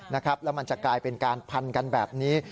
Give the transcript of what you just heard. แล้วมันจะกลายเป็นการพันกันแบบนี้